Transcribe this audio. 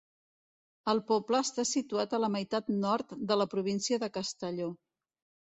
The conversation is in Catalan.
El poble està situat a la meitat nord de la província de Castelló.